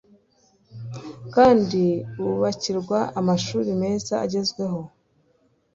kandi wubakirwa amashuri meza agezweho